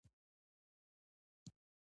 که دروازه وي نو امنیت نه خرابېږي.